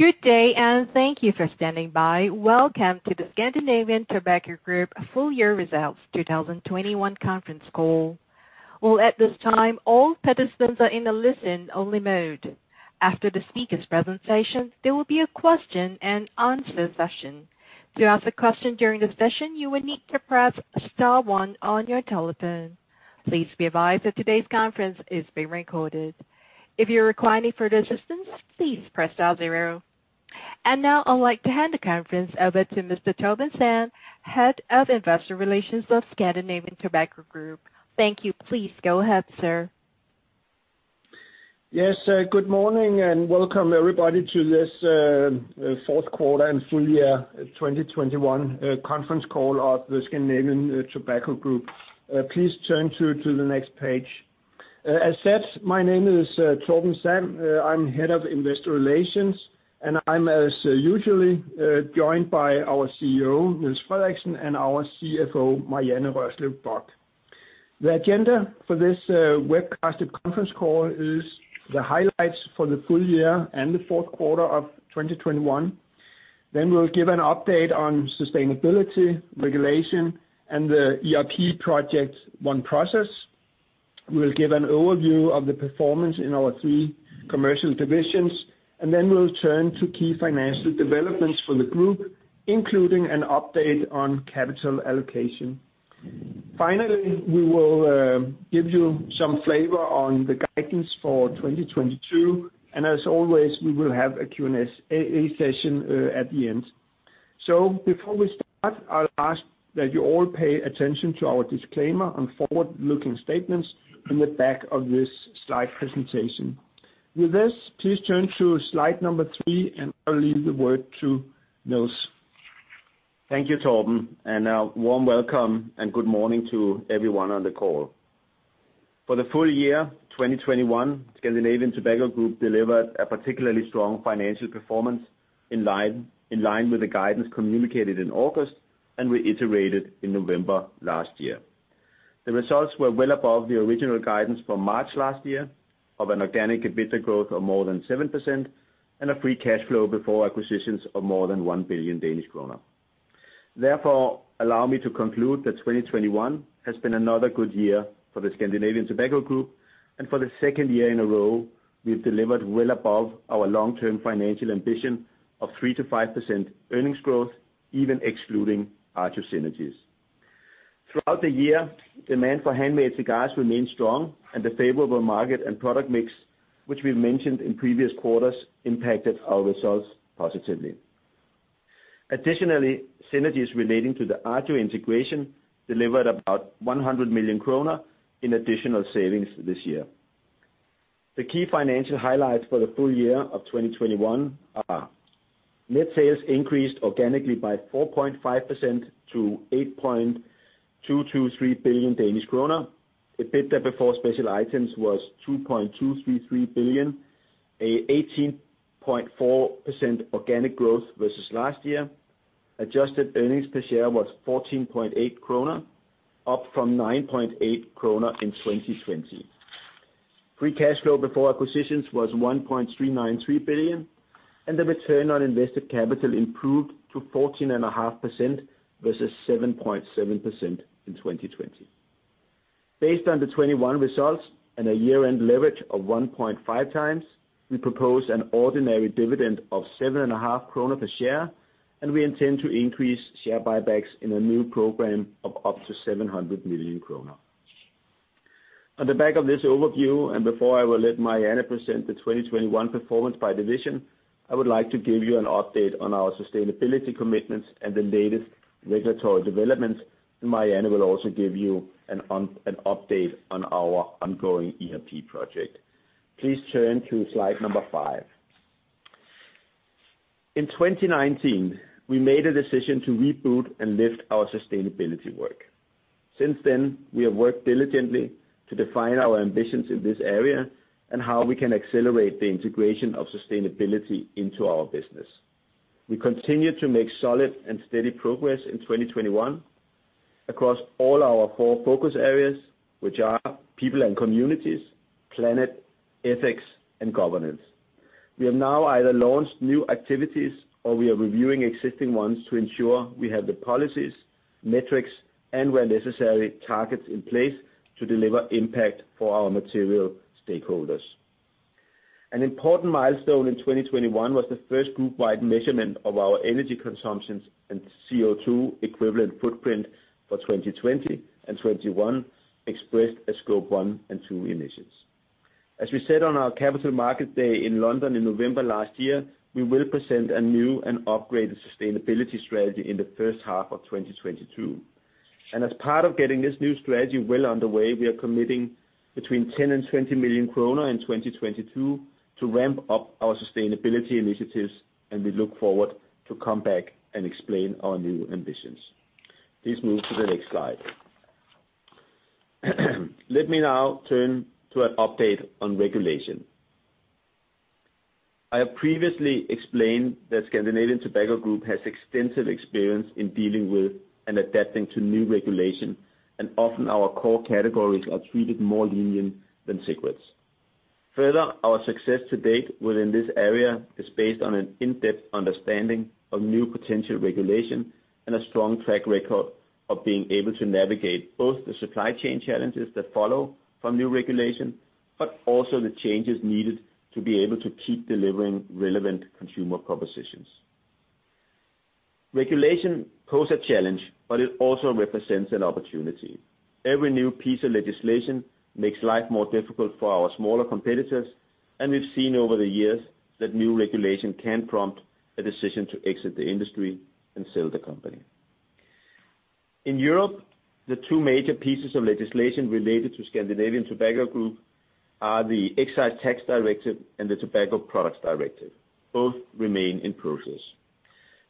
Good day, and thank you for standing by. Welcome to the Scandinavian Tobacco Group full year results 2021 conference call. Well, at this time, all participants are in a listen-only mode. After the speakers' presentation, there will be a question-and-answer session. To ask a question during the session, you will need to press star one on your telephone. Please be advised that today's conference is being recorded. If you require any further assistance, please press star zero. Now I'd like to hand the conference over to Mr. Torben Sand, Head of Investor Relations of Scandinavian Tobacco Group. Thank you. Please go ahead, sir. Good morning and welcome everybody to this fourth quarter and full year 2021 conference call of the Scandinavian Tobacco Group. Please turn to the next page. As said, my name is Torben Sand. I'm Head of Investor Relations, and I'm, as usually, joined by our CEO, Niels Frederiksen, and our CFO, Marianne Rørslev Bock. The agenda for this webcasted conference call is the highlights for the full year and the fourth quarter of 2021. Then we'll give an update on sustainability, regulation, and the ERP project OneProcess. We'll give an overview of the performance in our three commercial divisions, and then we'll turn to key financial developments for the group, including an update on capital allocation. Finally, we will give you some flavor on the guidance for 2022, and as always, we will have a Q&A session at the end. Before we start, I'll ask that you all pay attention to our disclaimer on forward-looking statements in the back of this slide presentation. With this, please turn to slide number three, and I'll leave the word to Niels. Thank you, Torben, and a warm welcome and good morning to everyone on the call. For the full year 2021, Scandinavian Tobacco Group delivered a particularly strong financial performance in line with the guidance communicated in August and reiterated in November last year. The results were well above the original guidance from March last year of an organic EBITDA growth of more than 7% and a free cash flow before acquisitions of more than 1 billion Danish kroner. Therefore, allow me to conclude that 2021 has been another good year for the Scandinavian Tobacco Group, and for the second year in a row, we've delivered well above our long-term financial ambition of 3%-5% earnings growth, even excluding Agio synergies. Throughout the year, demand for handmade cigars remained strong, and the favorable market and product mix, which we've mentioned in previous quarters, impacted our results positively. Additionally, synergies relating to the Agio integration delivered about 100 million kroner in additional savings this year. The key financial highlights for the full year of 2021 are net sales increased organically by 4.5% to 8.223 billion Danish kroner. EBITDA before special items was 2.233 billion, an 18.4% organic growth versus last year. Adjusted earnings per share was 14.8 krone, up from 9.8 krone in 2020. Free cash flow before acquisitions was 1.393 billion, and the return on invested capital improved to 14.5% versus 7.7% in 2020. Based on the 2021 results and a year-end leverage of 1.5x, we propose an ordinary dividend of 7.5 kroner per share, and we intend to increase share buybacks in a new program of up to 700 million kroner. On the back of this overview, before I will let Marianne present the 2021 performance by division, I would like to give you an update on our sustainability commitments and the latest regulatory developments. Marianne will also give you an update on our ongoing ERP project. Please turn to slide five. In 2019, we made a decision to reboot and lift our sustainability work. Since then, we have worked diligently to define our ambitions in this area and how we can accelerate the integration of sustainability into our business. We continue to make solid and steady progress in 2021 across all our four focus areas, which are people and communities, planet, ethics, and governance. We have now either launched new activities or we are reviewing existing ones to ensure we have the policies, metrics, and where necessary, targets in place to deliver impact for our material stakeholders. An important milestone in 2021 was the first group-wide measurement of our energy consumptions and CO2 equivalent footprint for 2020 and 2021 expressed as scope 1 and 2 emissions. As we said on our Capital Markets Day in London in November last year, we will present a new and upgraded sustainability strategy in the first half of 2022. As part of getting this new strategy well underway, we are committing between 10 million and 20 million kroner in 2022 to ramp up our sustainability initiatives, and we look forward to come back and explain our new ambitions. Please move to the next slide. Let me now turn to an update on regulation. I have previously explained that Scandinavian Tobacco Group has extensive experience in dealing with and adapting to new regulation, and often our core categories are treated more lenient than cigarettes. Further, our success to date within this area is based on an in-depth understanding of new potential regulation and a strong track record of being able to navigate both the supply chain challenges that follow from new regulation, but also the changes needed to be able to keep delivering relevant consumer propositions. Regulation pose a challenge, but it also represents an opportunity. Every new piece of legislation makes life more difficult for our smaller competitors, and we've seen over the years that new regulation can prompt a decision to exit the industry and sell the company. In Europe, the two major pieces of legislation related to Scandinavian Tobacco Group are the Excise Tax Directive and the Tobacco Products Directive. Both remain in process.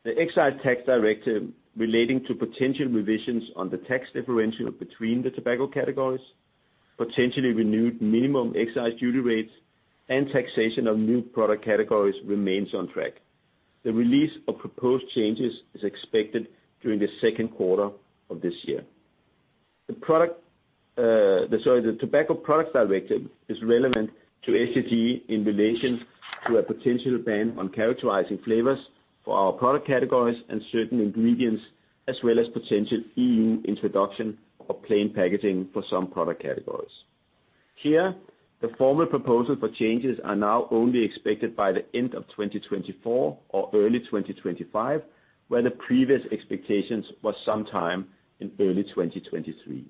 The Excise Tax Directive relating to potential revisions on the tax differential between the tobacco categories, potentially renewed minimum excise duty rates, and taxation of new product categories remains on track. The release of proposed changes is expected during the second quarter of this year. The Tobacco Products Directive is relevant to STG in relation to a potential ban on characterizing flavors for our product categories and certain ingredients, as well as potential EU introduction of plain packaging for some product categories. Here, the formal proposal for changes are now only expected by the end of 2024 or early 2025, where the previous expectations was sometime in early 2023.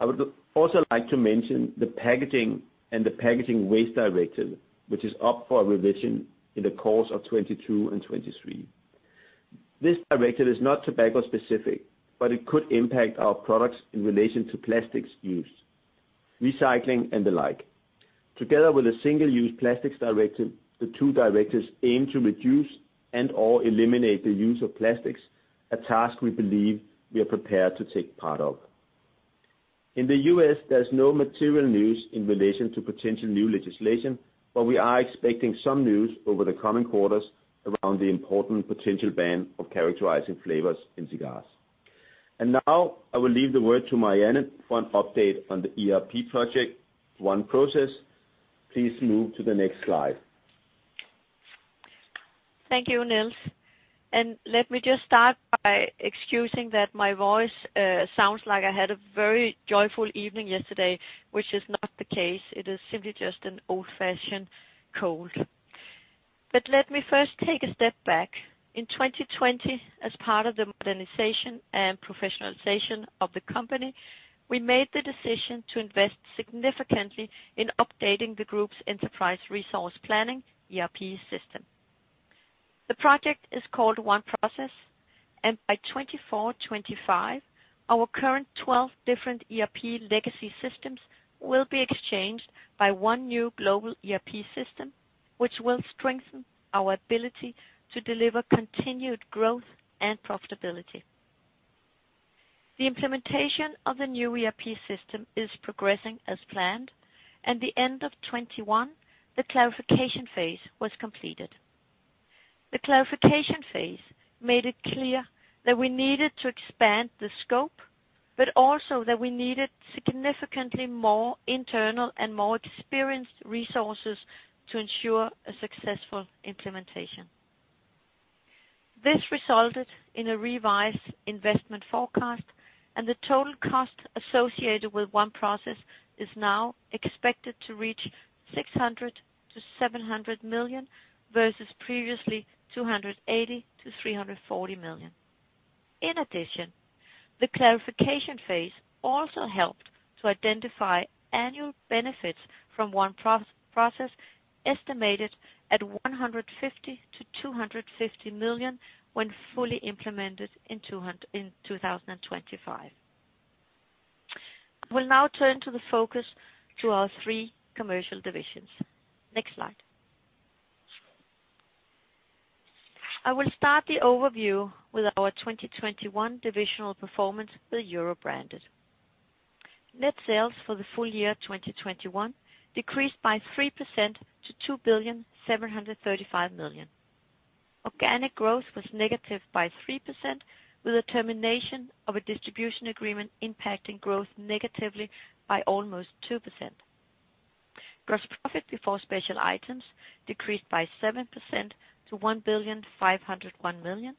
I would also like to mention the Packaging and Packaging Waste Directive, which is up for a revision in the course of 2022 and 2023. This directive is not tobacco specific, but it could impact our products in relation to plastics use, recycling, and the like. Together with the Single-Use Plastics Directive, the two directives aim to reduce and/or eliminate the use of plastics, a task we believe we are prepared to take part of. In the U.S., there's no material news in relation to potential new legislation, but we are expecting some news over the coming quarters around the important potential ban of characterizing flavors in cigars. Now I will leave the word to Marianne for an update on the ERP project, OneProcess. Please move to the next slide. Thank you, Niels. Let me just start by excusing that my voice sounds like I had a very joyful evening yesterday, which is not the case. It is simply just an old-fashioned cold. Let me first take a step back. In 2020, as part of the modernization and professionalization of the company, we made the decision to invest significantly in updating the group's enterprise resource planning, ERP system. The project is called OneProcess, and by 2024-2025, our current 12 different ERP legacy systems will be exchanged by one new global ERP system, which will strengthen our ability to deliver continued growth and profitability. The implementation of the new ERP system is progressing as planned. At the end of 2021, the clarification phase was completed. The clarification phase made it clear that we needed to expand the scope, but also that we needed significantly more internal and more experienced resources to ensure a successful implementation. This resulted in a revised investment forecast, and the total cost associated with OneProcess is now expected to reach 600 million-700 million, versus previously 280 million-340 million. In addition, the clarification phase also helped to identify annual benefits from OneProcess, estimated at 150 million-250 million when fully implemented in 2025. I will now turn to the focus to our three commercial divisions. Next slide. I will start the overview with our 2021 divisional performance with Europe Branded. Net sales for the full year 2021 decreased by 3% to 2,735,000,000. Organic growth was negative by 3%, with a termination of a distribution agreement impacting growth negatively by almost 2%. Gross profit before special items decreased by 7% to 1,501,000,000,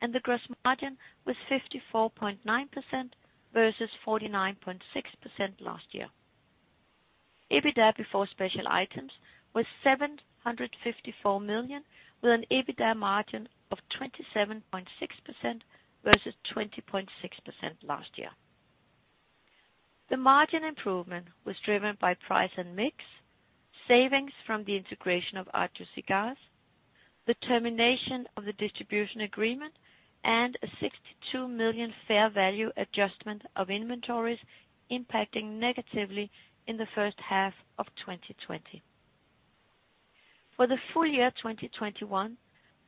and the gross margin was 54.9% versus 49.6% last year. EBITDA before special items was 754 million, with an EBITDA margin of 27.6% versus 20.6% last year. The margin improvement was driven by price and mix, savings from the integration of Agio Cigars, the termination of the distribution agreement, and a 62 million fair value adjustment of inventories impacting negatively in the first half of 2020. For the full year 2021,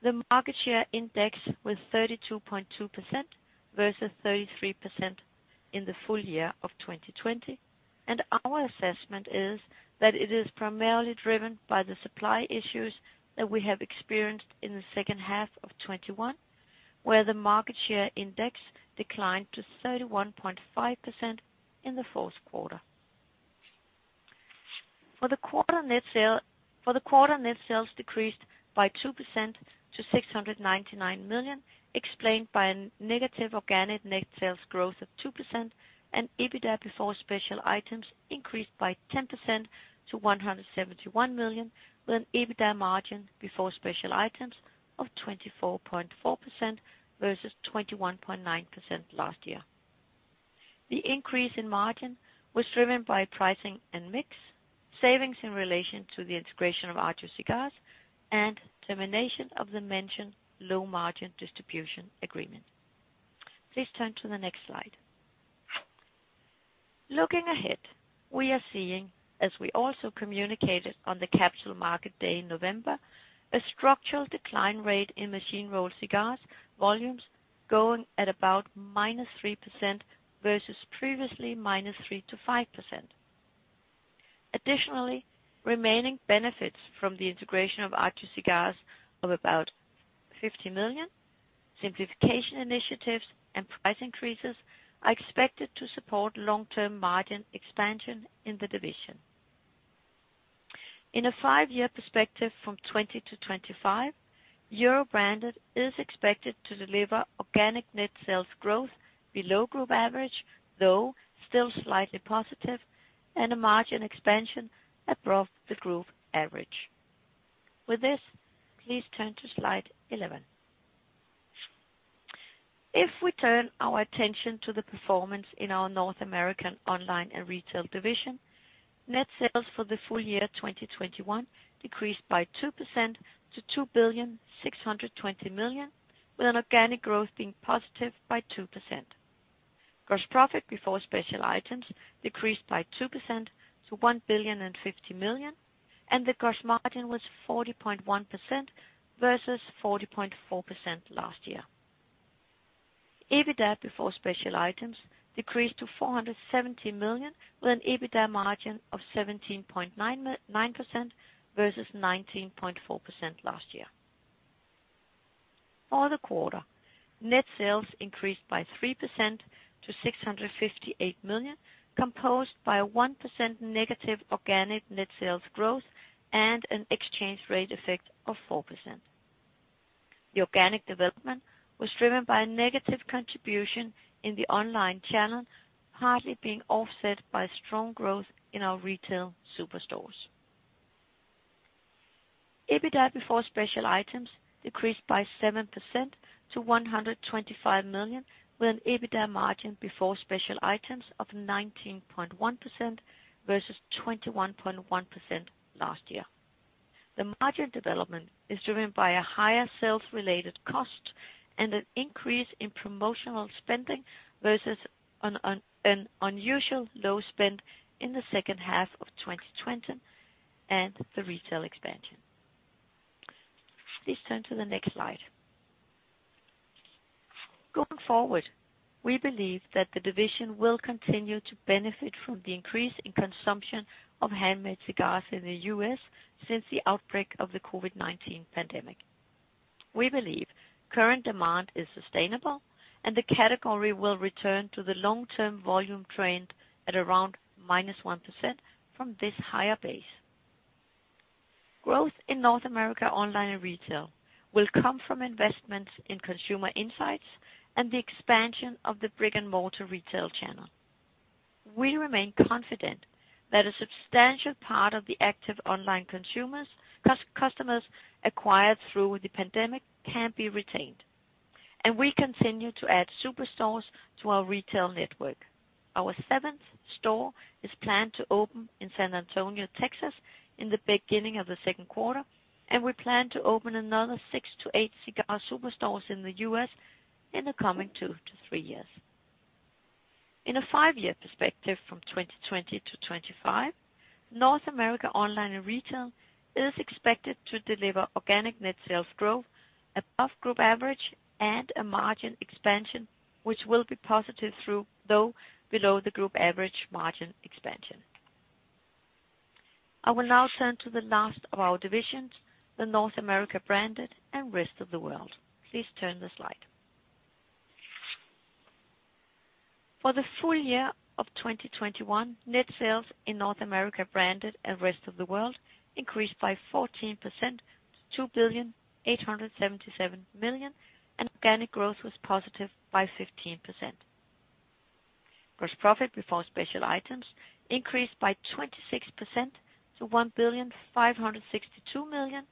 the market share index was 32.2% versus 33% in the full year of 2020. Our assessment is that it is primarily driven by the supply issues that we have experienced in the second half of 2021, where the market share index declined to 31.5% in the fourth quarter. For the quarter, net sales decreased by 2% to 699 million, explained by a negative organic net sales growth of 2% and EBITDA before special items increased by 10% to 171 million, with an EBITDA margin before special items of 24.4% versus 21.9% last year. The increase in margin was driven by pricing and mix, savings in relation to the integration of Agio Cigars and termination of the mentioned low margin distribution agreement. Please turn to the next slide. Looking ahead, we are seeing, as we also communicated on the Capital Markets Day in November, a structural decline rate in machine-rolled cigars volumes going at about -3% versus previously -3% to -5%. Additionally, remaining benefits from the integration of Agio Cigars of about 50 million, simplification initiatives and price increases are expected to support long-term margin expansion in the division. In a five-year perspective from 2020 to 2025, Europe Branded is expected to deliver organic net sales growth below group average, though still slightly positive, and a margin expansion above the group average. With this, please turn to slide 11. If we turn our attention to the performance in our North America Online and Retail division, net sales for the full year 2021 decreased by 2% to 2,620,000,000, with an organic growth being positive by 2%. Gross profit before special items decreased by 2% to 1,050,000,000, and the gross margin was 40.1% versus 40.4% last year. EBITDA before special items decreased to 470 million, with an EBITDA margin of 17.9% versus 19.4% last year. For the quarter, net sales increased by 3% to 658 million, composed of a 1% negative organic net sales growth and an exchange rate effect of 4%. The organic development was driven by a negative contribution in the online channel, partly being offset by strong growth in our retail superstores. EBITDA before special items decreased by 7% to 125 million, with an EBITDA margin before special items of 19.1% versus 21.1% last year. The margin development is driven by a higher sales-related cost and an increase in promotional spending versus an unusually low spend in the second half of 2020 and the retail expansion. Please turn to the next slide. Going forward, we believe that the division will continue to benefit from the increase in consumption of handmade cigars in the U.S. since the outbreak of the COVID-19 pandemic. We believe current demand is sustainable and the category will return to the long-term volume trend at around -1% from this higher base. Growth in North America Online & Retail will come from investments in consumer insights and the expansion of the brick-and-mortar retail channel. We remain confident that a substantial part of the active online customers acquired through the pandemic can be retained, and we continue to add superstores to our retail network. Our seventh store is planned to open in San Antonio, Texas, in the beginning of the second quarter, and we plan to open another six to eight cigar superstores in the U.S. in the coming two to three years. In a five-year perspective from 2020 to 2025, North America Online & Retail is expected to deliver organic net sales growth above group average and a margin expansion which will be positive through, though below the group average margin expansion. I will now turn to the last of our divisions, the North America Branded & Rest of World. Please turn the slide. For the full year of 2021, net sales in North America Branded & Rest of World increased by 14% to 2,877,000,000, and organic growth was positive by 15%. Gross profit before special items increased by 26% to 1,562,000,000,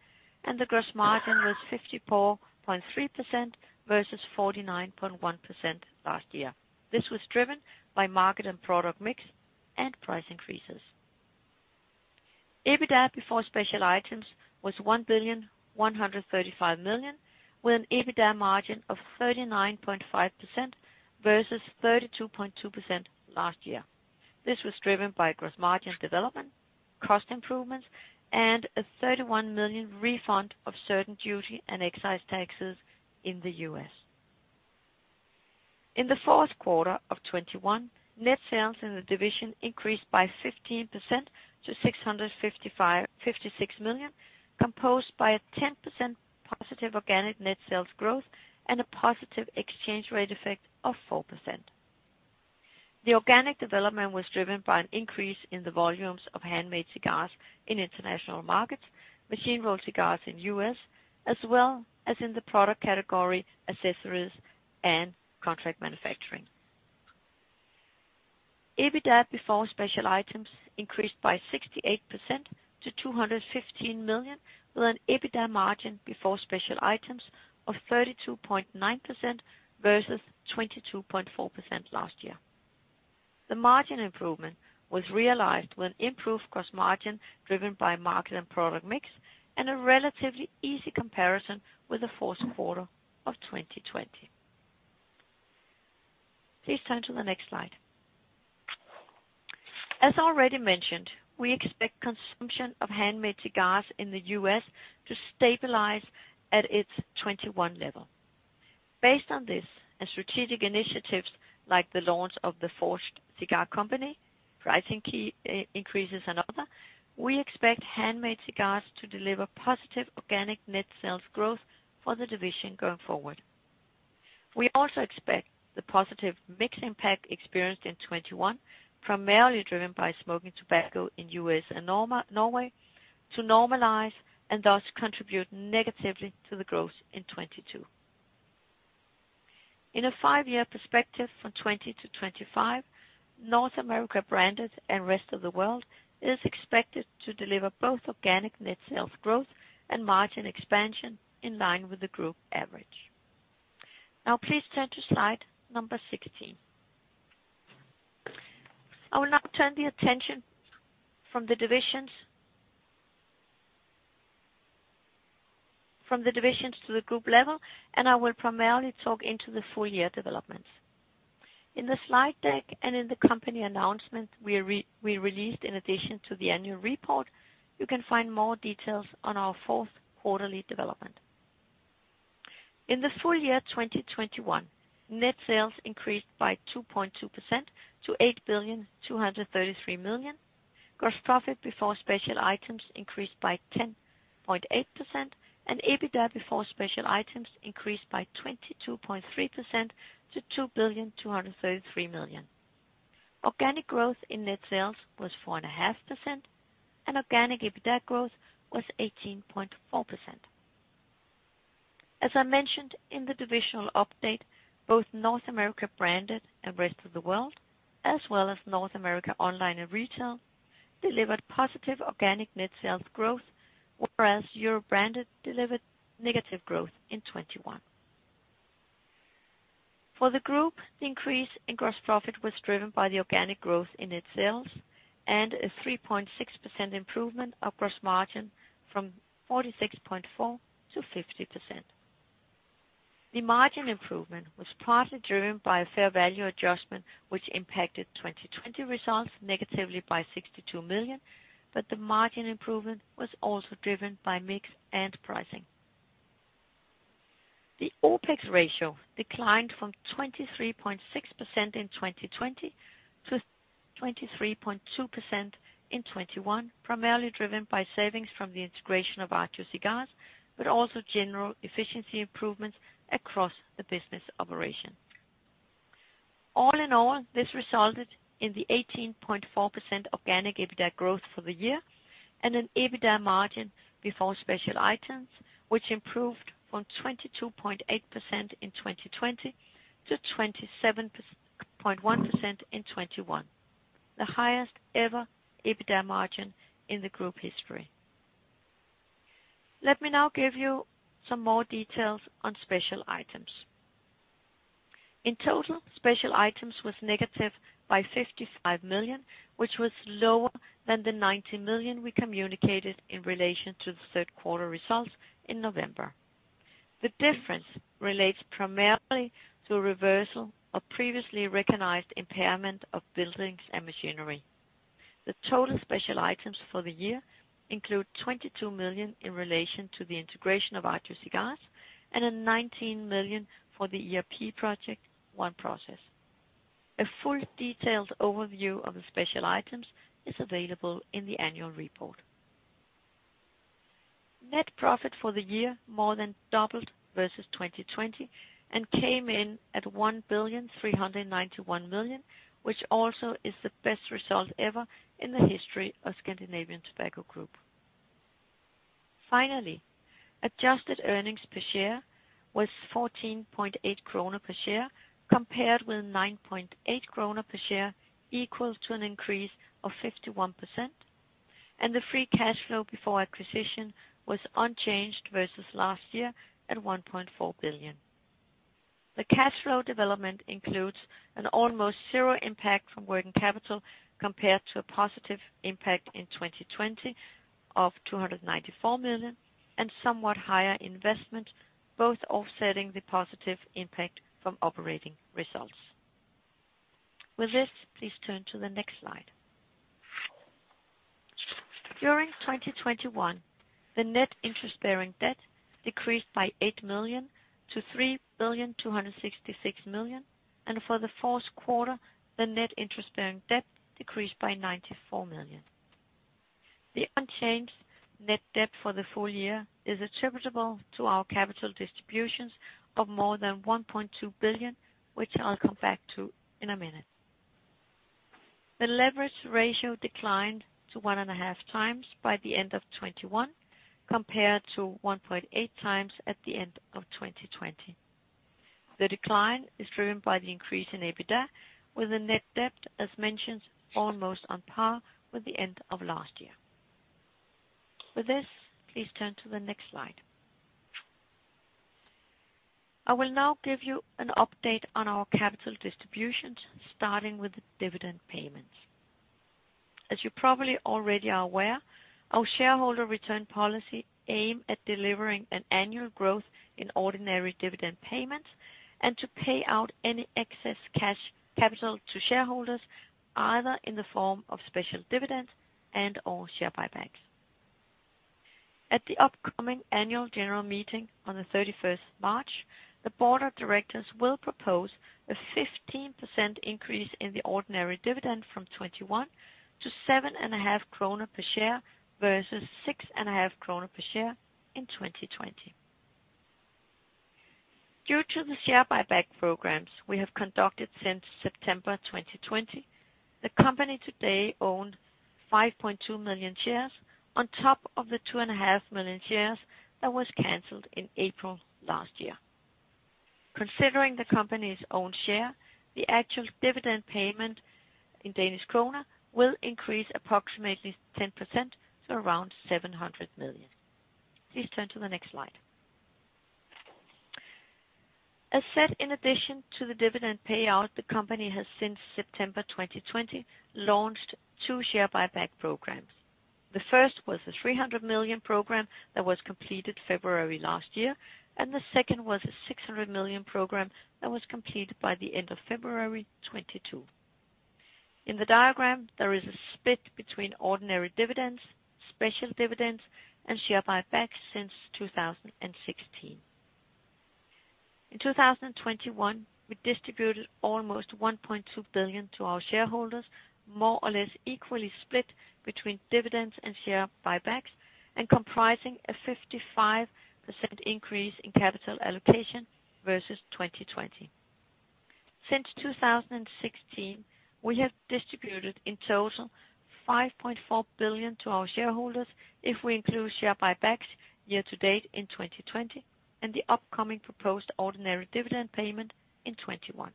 and the gross margin was 54.3% versus 49.1% last year. This was driven by market and product mix and price increases. EBITDA before special items was 1,135,000,000, with an EBITDA margin of 39.5% versus 32.2% last year. This was driven by gross margin development, cost improvements, and a 31 million refund of certain duty and excise taxes in the U.S. In the fourth quarter of 2021, net sales in the division increased by 15% to 656 million, composed of a 10% positive organic net sales growth and a positive exchange rate effect of 4%. The organic development was driven by an increase in the volumes of handmade cigars in international markets, machine-rolled cigars in U.S., as well as in the product category accessories and contract manufacturing. EBITDA before special items increased by 68% to 215 million, with an EBITDA margin before special items of 32.9% versus 22.4% last year. The margin improvement was realized with improved gross margin driven by market and product mix, and a relatively easy comparison with the fourth quarter of 2020. Please turn to the next slide. As already mentioned, we expect consumption of handmade cigars in the U.S. to stabilize at its 2021 level. Based on this and strategic initiatives like the launch of the Forged Cigar Company, pricing key increases and other, we expect handmade cigars to deliver positive organic net sales growth for the division going forward. We also expect the positive mix impact experienced in 2021, primarily driven by smoking tobacco in U.S. and Norway, to normalize and thus contribute negatively to the growth in 2022. In a five-year perspective from 2020 to 2025, North America Branded and Rest of the World is expected to deliver both organic net sales growth and margin expansion in line with the group average. Now please turn to slide 16. I will now turn the attention from the divisions to the group level, and I will primarily talk about the full year developments. In the slide deck and in the company announcement we released in addition to the annual report, you can find more details on our fourth quarter development. In the full year 2021, net sales increased by 2.2% to 8,233,000,000. Gross profit before special items increased by 10.8%, and EBITDA before special items increased by 22.3% to 2,233,000,000. Organic growth in net sales was 4.5%, and organic EBITDA growth was 18.4%. As I mentioned in the divisional update, both North America Branded and Rest of World, as well as North America Online and Retail, delivered positive organic net sales growth, whereas Europe Branded delivered negative growth in 2021. For the group, the increase in gross profit was driven by the organic growth in net sales and a 3.6% improvement of gross margin from 46.4% to 50%. The margin improvement was partly driven by a fair value adjustment which impacted 2020 results negatively by 62 million, but the margin improvement was also driven by mix and pricing. The OpEx ratio declined from 23.6% in 2020 to 23.2% in 2021, primarily driven by savings from the integration of Agio Cigars, but also general efficiency improvements across the business operation. All in all, this resulted in the 18.4% organic EBITDA growth for the year and an EBITDA margin before special items, which improved from 22.8% in 2020 to 27.1% in 2021, the highest ever EBITDA margin in the group history. Let me now give you some more details on special items. In total, special items was negative by 55 million, which was lower than the 90 million we communicated in relation to the third quarter results in November. The difference relates primarily to a reversal of previously recognized impairment of buildings and machinery. The total special items for the year include 22 million in relation to the integration of Agio Cigars and 19 million for the ERP project OneProcess. A full detailed overview of the special items is available in the annual report. Net profit for the year more than doubled versus 2020 and came in at 1,391,000,000, which also is the best result ever in the history of Scandinavian Tobacco Group. Finally, adjusted earnings per share was 14.8 kroner per share, compared with 9.8 kroner per share, equal to an increase of 51%, and the free cash flow before acquisition was unchanged versus last year at 1.4 billion. The cash flow development includes an almost zero impact from working capital compared to a positive impact in 2020 of 294 million and somewhat higher investment, both offsetting the positive impact from operating results. With this, please turn to the next slide. During 2021, the net interest-bearing debt decreased by 8 million to 3,266,000,000. For the fourth quarter, the net interest-bearing debt decreased by 94 million. The unchanged net debt for the full year is attributable to our capital distributions of more than 1.2 billion, which I'll come back to in a minute. The leverage ratio declined to 1.5x by the end of 2021, compared to 1.8x at the end of 2020. The decline is driven by the increase in EBITDA, with the net debt, as mentioned, almost on par with the end of last year. With this, please turn to the next slide. I will now give you an update on our capital distributions, starting with the dividend payments. As you probably already are aware, our shareholder return policy aim at delivering an annual growth in ordinary dividend payments and to pay out any excess cash capital to shareholders, either in the form of special dividends and/or share buybacks. At the upcoming annual general meeting on March 31st, the board of directors will propose a 15% increase in the ordinary dividend from 21% to 7.5 krone per share, versus 6.5 krone per share in 2020. Due to the share buyback programs we have conducted since September 2020, the company today own 5.2 million shares on top of the 2.5 million shares that was canceled in April last year. Considering the company's own share, the actual dividend payment in danish krone will increase approximately 10% to around 700 million. Please turn to the next slide. As said, in addition to the dividend payout, the company has since September 2020 launched two share buyback programs. The first was a 300 million program that was completed February last year, and the second was a 600 million program that was completed by the end of February 2022. In the diagram, there is a split between ordinary dividends, special dividends, and share buybacks since 2016. In 2021, we distributed almost 1.2 billion to our shareholders, more or less equally split between dividends and share buybacks, and comprising a 55% increase in capital allocation versus 2020. Since 2016, we have distributed in total 5.4 billion to our shareholders if we include share buybacks year to date in 2020 and the upcoming proposed ordinary dividend payment in 2021.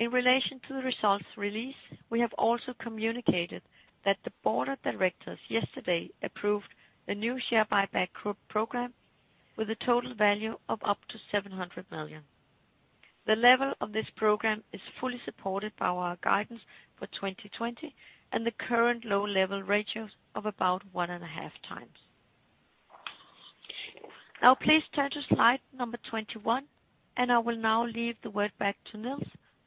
In relation to the results release, we have also communicated that the board of directors yesterday approved the new share buyback program with a total value of up to 700 million. The level of this program is fully supported by our guidance for 2020 and the current low leverage ratios of about 1.5x. Now please turn to slide 21, and I will now leave the word back to Niels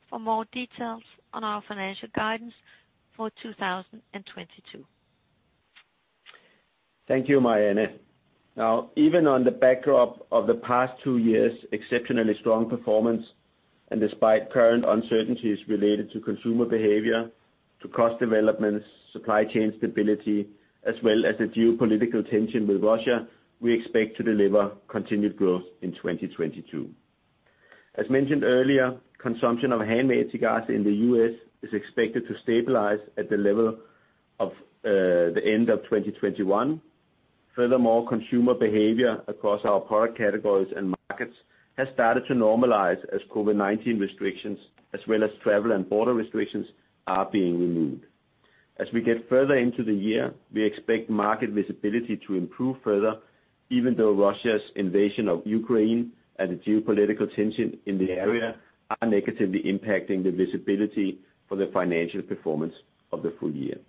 for more details on our financial guidance for 2022. Thank you, Marianne. Now, even on the backdrop of the past two years' exceptionally strong performance, and despite current uncertainties related to consumer behavior, to cost developments, supply chain stability, as well as the geopolitical tension with Russia, we expect to deliver continued growth in 2022. As mentioned earlier, consumption of handmade cigars in the U.S. is expected to stabilize at the level of the end of 2021. Furthermore, consumer behavior across our product categories and markets has started to normalize as COVID-19 restrictions, as well as travel and border restrictions are being removed. As we get further into the year, we expect market visibility to improve further, even though Russia's invasion of Ukraine and the geopolitical tension in the area are negatively impacting the visibility for the financial performance of the full year.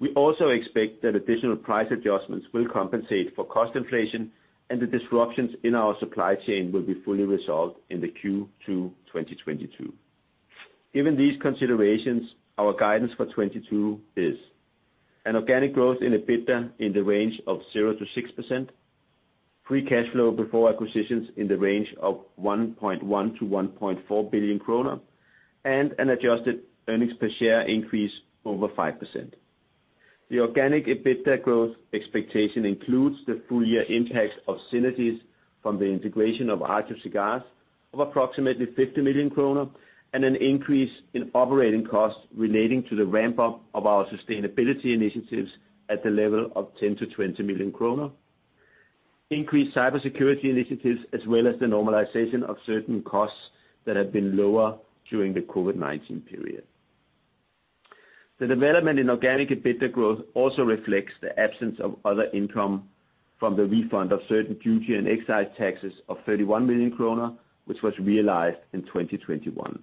We also expect that additional price adjustments will compensate for cost inflation and the disruptions in our supply chain will be fully resolved in Q2 2022. Given these considerations, our guidance for 2022 is an organic growth in EBITDA in the range of 0%-6%, free cash flow before acquisitions in the range of 1.1 billion-1.4 billion kroner, and an adjusted earnings per share increase over 5%. The organic EBITDA growth expectation includes the full year impacts of synergies from the integration of Agio Cigars of approximately 50 million kroner and an increase in operating costs relating to the ramp up of our sustainability initiatives at the level of 10 million-20 million kroner, increased cybersecurity initiatives, as well as the normalization of certain costs that have been lower during the COVID-19 period. The development in organic EBITDA growth also reflects the absence of other income from the refund of certain duty and excise taxes of 31 million kroner, which was realized in 2021.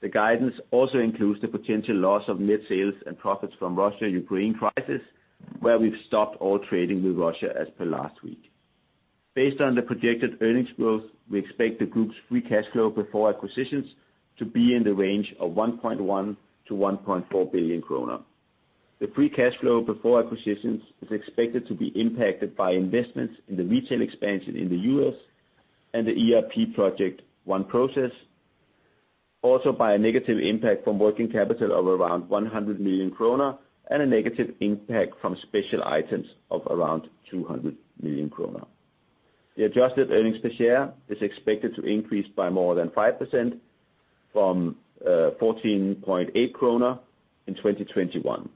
The guidance also includes the potential loss of net sales and profits from Russia and Ukraine crisis, where we've stopped all trading with Russia as per last week. Based on the projected earnings growth, we expect the group's free cash flow before acquisitions to be in the range of 1.1 billion-1.4 billion kroner. The free cash flow before acquisitions is expected to be impacted by investments in the retail expansion in the U.S. and the ERP project OneProcess. Also by a negative impact from working capital of around 100 million kroner and a negative impact from special items of around 200 million kroner. The adjusted earnings per share is expected to increase by more than 5% from 14.8 kroner in 2021,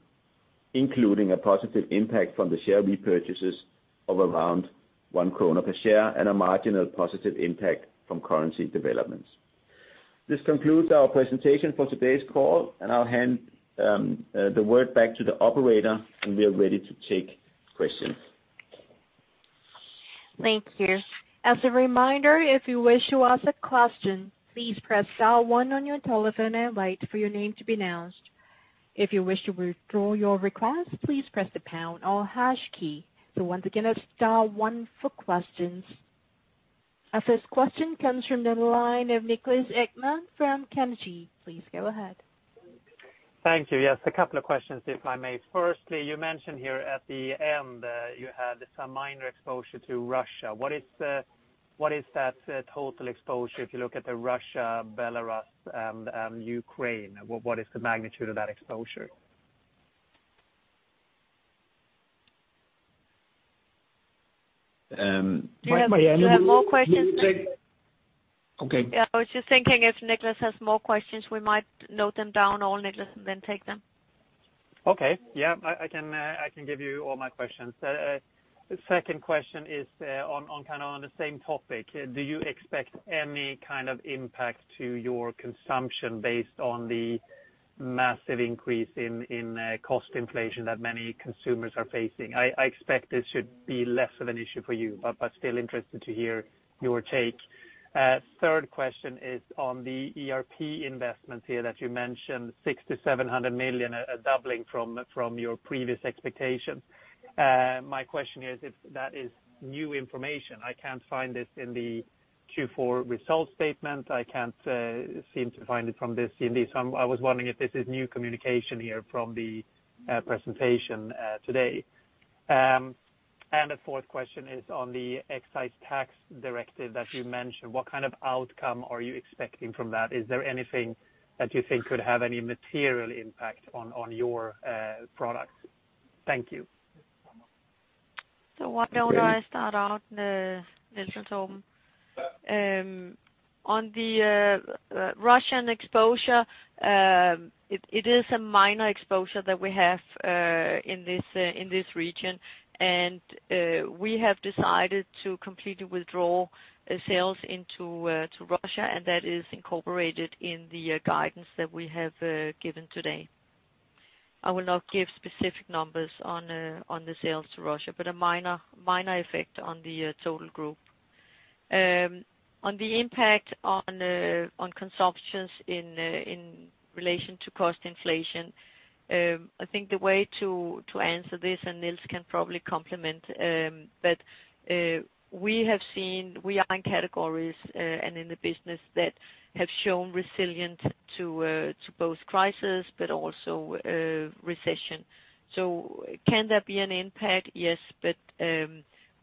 including a positive impact from the share repurchases of around 1 krone per share and a marginal positive impact from currency developments. This concludes our presentation for today's call, and I'll hand the word back to the operator, and we are ready to take questions. Thank you. As a reminder, if you wish to ask a question, please press star one on your telephone and wait for your name to be announced. If you wish to withdraw your request, please press the pound or hash key. Once again, it's star one for questions. Our first question comes from the line of Niklas Ekman from Carnegie. Please go ahead. Thank you. Yes, a couple of questions, if I may. Firstly, you mentioned here at the end, you had some minor exposure to Russia. What is that total exposure if you look at the Russia, Belarus and Ukraine? What is the magnitude of that exposure? Marianne, will you take- Do you have more questions? Okay. Yeah. I was just thinking if Niklas has more questions, we might note them down, or Niklas, and then take them. Okay. Yeah. I can give you all my questions. The second question is on kind of the same topic. Do you expect any kind of impact to your consumption based on the massive increase in cost inflation that many consumers are facing? I expect this should be less of an issue for you, but still interested to hear your take. Third question is on the ERP investments here that you mentioned, 600 million-700 million, a doubling from your previous expectations. My question is if that is new information. I can't find this in the Q4 results statement. I can't seem to find it from this indeed. I was wondering if this is new communication here from the presentation today. A fourth question is on the excise tax directive that you mentioned. What kind of outcome are you expecting from that? Is there anything that you think could have any material impact on your products? Thank you. Why don't I start out, Niels and Torben. On the Russian exposure, it is a minor exposure that we have in this region, and we have decided to completely withdraw sales into Russia, and that is incorporated in the guidance that we have given today. I will not give specific numbers on the sales to Russia, but a minor effect on the total group. On the impact on consumptions in relation to cost inflation, I think the way to answer this, and Niels can probably complement, but we have seen we are in categories and in the business that have shown resilience to both crisis but also recession. Can there be an impact? Yes.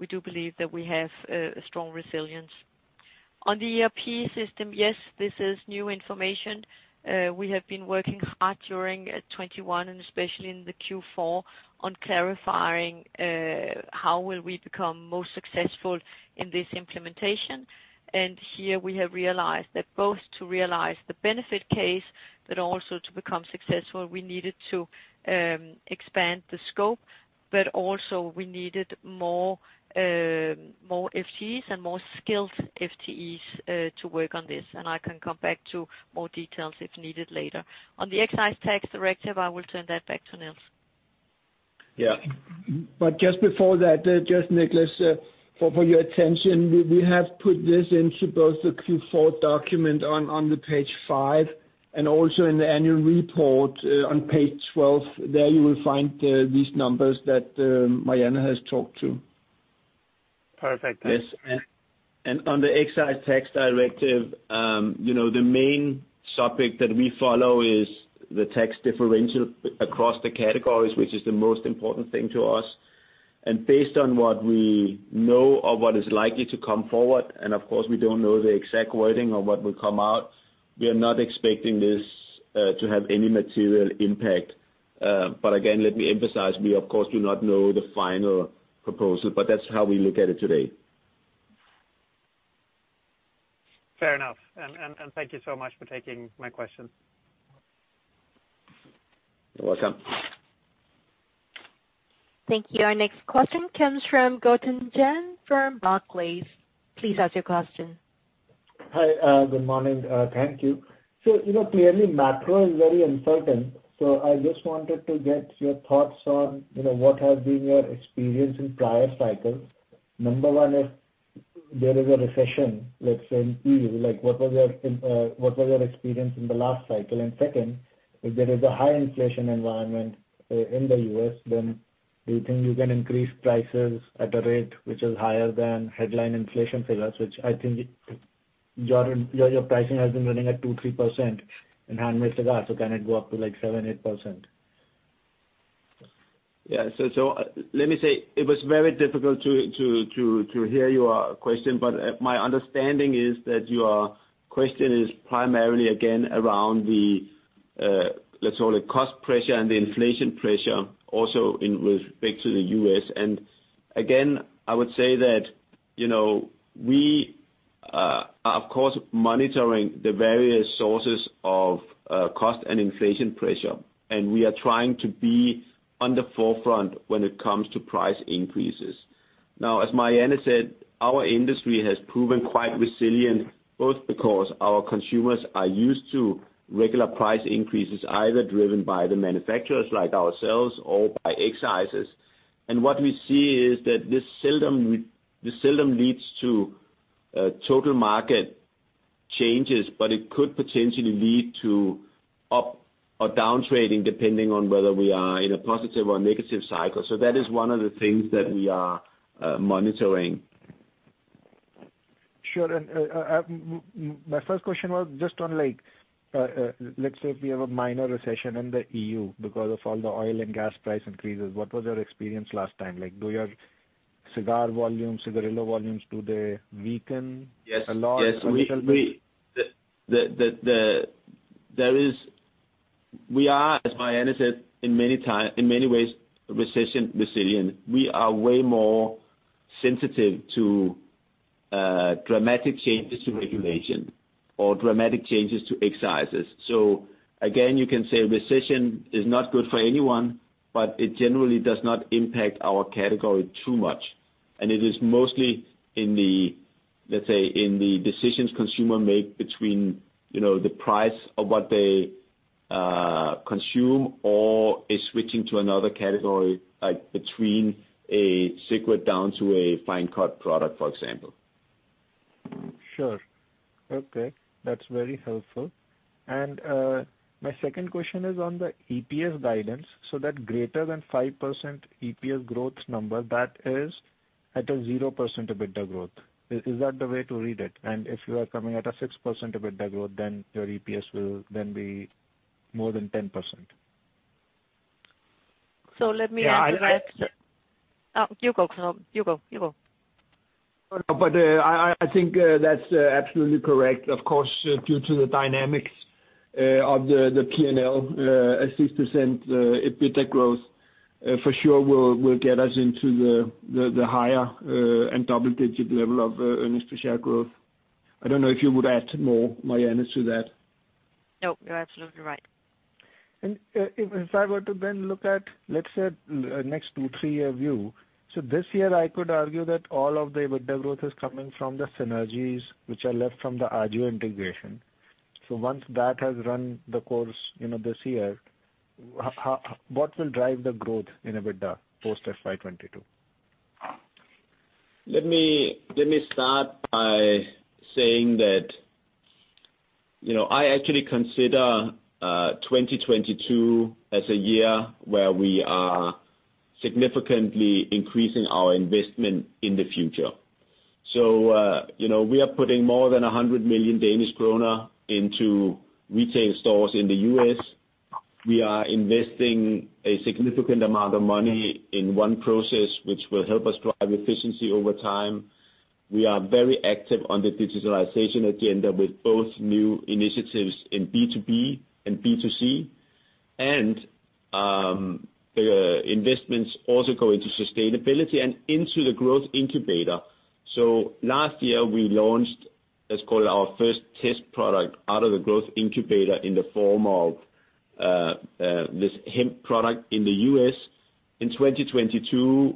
We do believe that we have a strong resilience. On the ERP system, yes, this is new information. We have been working hard during 2021, and especially in the Q4, on clarifying how will we become most successful in this implementation. Here we have realized that both to realize the benefit case, but also to become successful, we needed to expand the scope, but also we needed more FTEs and more skilled FTEs to work on this. I can come back to more details if needed later. On the excise tax directive, I will turn that back to Niels. Yeah. Just before that, just Niklas, for your attention, we have put this into both the Q4 document on page five and also in the annual report on page 12. There you will find these numbers that Marianne has talked about. Perfect. Thank you. Yes. On the Excise Tax Directive, you know, the main subject that we follow is the tax differential across the categories, which is the most important thing to us. Based on what we know of what is likely to come forward, and of course, we don't know the exact wording of what will come out, we are not expecting this to have any material impact. Again, let me emphasize, we of course do not know the final proposal, but that's how we look at it today. Fair enough. Thank you so much for taking my questions. You're welcome. Thank you. Our next question comes from Gaurav Jain from Barclays. Please ask your question. Hi. Good morning. Thank you. You know, clearly macro is very uncertain, so I just wanted to get your thoughts on, you know, what has been your experience in prior cycles. Number one, if there is a recession, let's say in Q, like, what was your experience in the last cycle? And second, if there is a high inflation environment in the U.S., then do you think you can increase prices at a rate which is higher than headline inflation figures, which I think it, your pricing has been running at 2%-3% in handmade cigar, so can it go up to like 7%-8%? Let me say it was very difficult to hear your question, but my understanding is that your question is primarily again around the, let's call it cost pressure and the inflation pressure also in with respect to the U.S. Again, I would say that, you know, we are of course monitoring the various sources of cost and inflation pressure. We are trying to be on the forefront when it comes to price increases. Now, as Marianne said, our industry has proven quite resilient, both because our consumers are used to regular price increases, either driven by the manufacturers like ourselves or by excises. What we see is that this seldom leads to total market changes, but it could potentially lead to up or down trading depending on whether we are in a positive or negative cycle. That is one of the things that we are monitoring. Sure. My first question was just on like, let's say if we have a minor recession in the EU because of all the oil and gas price increases, what was your experience last time? Like, do your cigar volumes, cigarillo volumes, do they weaken a lot or a little bit? Yes. We are, as Marianne said, in many ways, recession resilient. We are way more sensitive to dramatic changes to regulation or dramatic changes to excises. Again, you can say recession is not good for anyone, but it generally does not impact our category too much. It is mostly in the, let's say, decisions consumers make between, you know, the price of what they consume, or switching to another category, like between a cigarette down to a fine cut product, for example. Sure. Okay. That's very helpful. My second question is on the EPS guidance. That greater than 5% EPS growth number, that is at a 0% EBITDA growth. Is that the way to read it? If you are coming at a 6% EBITDA growth, then your EPS will then be more than 10%. Let me answer that. Yeah, I think that's. Oh, you go, Torben. You go. No, I think that's absolutely correct. Of course, due to the dynamics of the P&L, a 6% EBITDA growth for sure will get us into the higher and double-digit level of earnings per share growth. I don't know if you would add more, Marianne, to that. No, you're absolutely right. If I were to then look at, let's say, next two-three-year view. This year, I could argue that all of the EBITDA growth is coming from the synergies which are left from the Agio integration. Once that has run the course, you know, this year, what will drive the growth in EBITDA post FY 2022? Let me start by saying that, you know, I actually consider 2022 as a year where we are significantly increasing our investment in the future. You know, we are putting more than 100 million Danish kroner into retail stores in the U.S. We are investing a significant amount of money in OneProcess which will help us drive efficiency over time. We are very active on the digitalization agenda with both new initiatives in B2B and B2C. The investments also go into sustainability and into the growth incubator. Last year, we launched, let's call it our first test product out of the growth incubator in the form of this hemp product in the U.S. In 2022,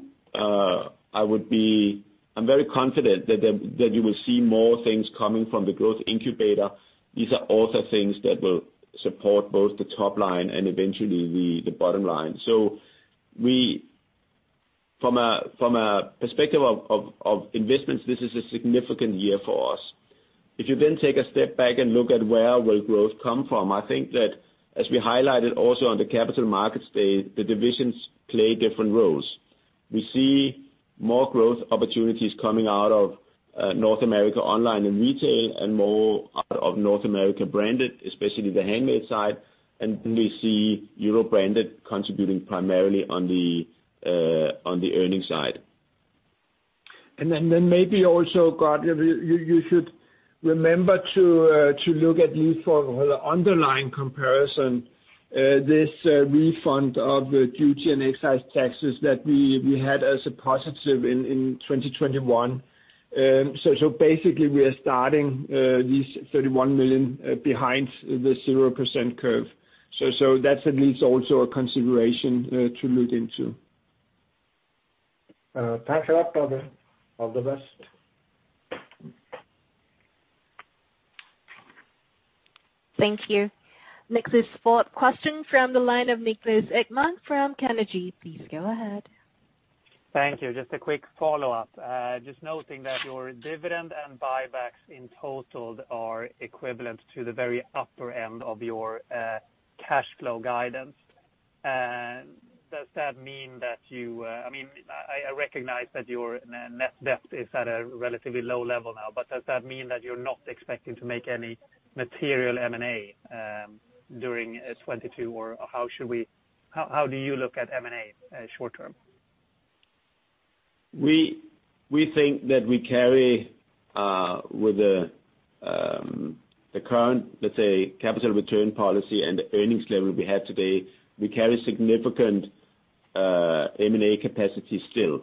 I'm very confident that you will see more things coming from the growth incubator. These are also things that will support both the top line and eventually the bottom line. From a perspective of investments, this is a significant year for us. If you then take a step back and look at where will growth come from, I think that as we highlighted also on the Capital Markets Day, the divisions play different roles. We see more growth opportunities coming out of North America Online and Retail and more out of North America Branded, especially the handmade side. We see Europe Branded contributing primarily on the earnings side. Maybe also, Gaurav Jain, you should remember to look at least for the underlying comparison, this refund of duty and excise taxes that we had as a positive in 2021. Basically we are starting 31 million behind the 0% curve. That at least is also a consideration to look into. Thanks a lot for that. All the best. Thank you. Next is follow-up question from the line of Niklas Ekman from Carnegie. Please go ahead. Thank you. Just a quick follow-up. Just noting that your dividend and buybacks in total are equivalent to the very upper end of your cash flow guidance. Does that mean that you, I mean, I recognize that your net debt is at a relatively low level now, but does that mean that you're not expecting to make any material M&A during 2022? Or how do you look at M&A short term? We think that we carry with the current, let's say, capital return policy and the earnings level we have today, we carry significant M&A capacity still.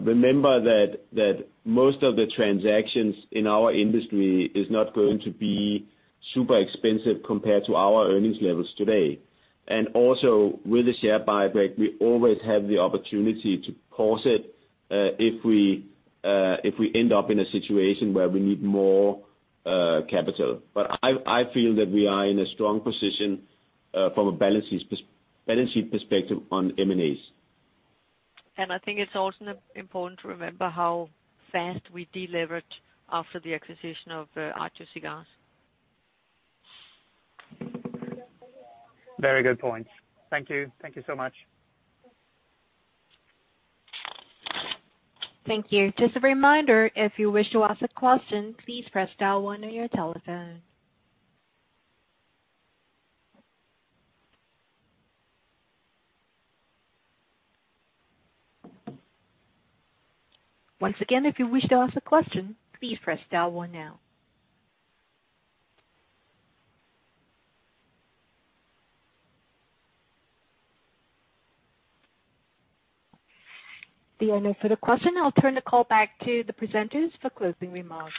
Remember that most of the transactions in our industry is not going to be super expensive compared to our earnings levels today. Also, with the share buyback, we always have the opportunity to pause it if we end up in a situation where we need more capital. I feel that we are in a strong position from a balance sheet perspective on M&As. I think it's also important to remember how fast we deleveraged after the acquisition of Agio Cigars. Very good point. Thank you. Thank you so much. Thank you. Just a reminder, if you wish to ask a question, please press dial one on your telephone. Once again, if you wish to ask a question, please press dial one now. There are no further questions. I'll turn the call back to the presenters for closing remarks.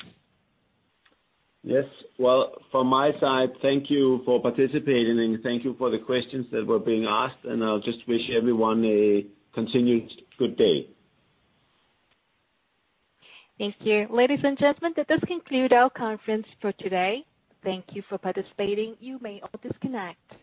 Yes. Well, from my side, thank you for participating and thank you for the questions that were being asked. I'll just wish everyone a continued good day. Thank you. Ladies and gentlemen, that does conclude our conference for today. Thank you for participating. You may all disconnect.